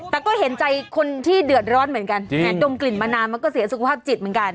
แต่ก็เห็นใจคนที่เดือดร้อนเหมือนกันดมกลิ่นมานานมันก็เสียสุขภาพจิตเหมือนกัน